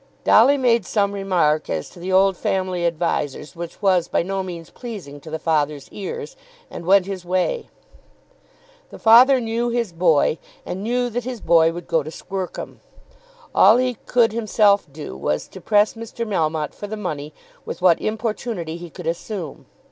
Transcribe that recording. Dolly made some remark as to the old family advisers which was by no means pleasing to the father's ears, and went his way. The father knew his boy, and knew that his boy would go to Squercum. All he could himself do was to press Mr. Melmotte for the money with what importunity he could assume.